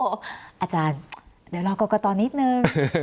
โอ้โหอาจารย์เดี๋ยวรอก่อนก่อนตอนนิดนึง